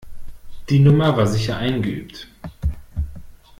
Die Nummer war sicher eingeübt.